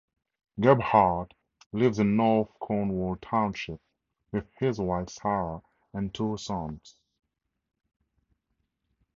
Gebhard lives in North Cornwall Township with his wife Sarah and two sons.